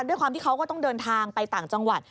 ด้วยความที่เขาก็ต้องเดินทางไปต่างจังหวัด